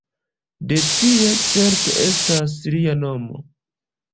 De tie certe estas lia nomo.